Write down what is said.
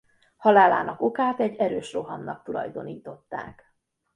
Halálának okát egy erős rohamnak tulajdonították.